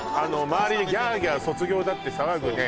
周りでギャーギャー卒業だって騒ぐね